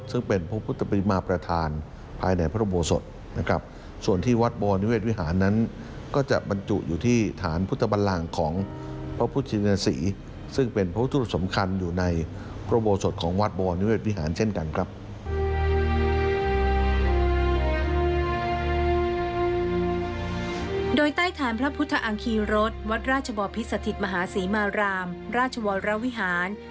ซึ่งใต้ฐานพระพุทธอังคีรสวัดราชบอพิสถิตมหาศรีมารามราชวรวิหาร